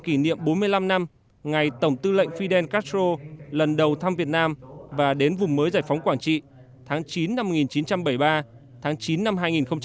kỷ niệm bốn mươi năm năm ngày tổng tư lệnh fidel castro lần đầu thăm việt nam và đến vùng mới giải phóng quảng trị tháng chín năm một nghìn chín trăm bảy mươi ba tháng chín năm hai nghìn một mươi chín